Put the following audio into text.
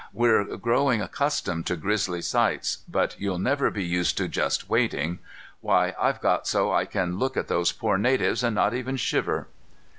We're growing accustomed to grisly sights, but you'll never be used to just waiting. Why, I've got so I can look at those poor natives and not even shiver."